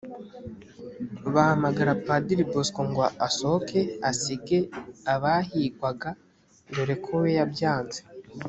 bahamagara padiri bosco ngo asohoke asige abahigwaga dore ko we yabyanze